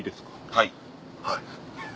はい。